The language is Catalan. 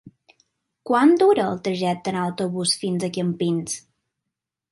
Quant dura el trajecte en autobús fins a Campins?